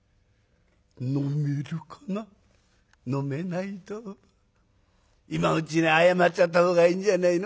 「飲めないと今のうちに謝っちゃった方がいいんじゃないの」。